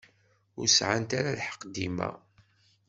Ur sεant ara lḥeqq dima.